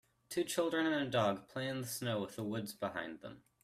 Two children and a dog play in the snow with a woods behind them.